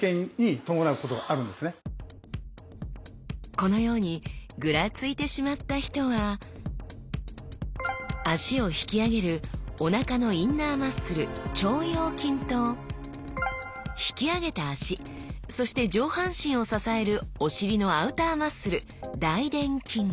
このようにグラついてしまった人は脚を引き上げるおなかのインナーマッスル腸腰筋と引き上げた脚そして上半身を支えるお尻のアウターマッスル大臀筋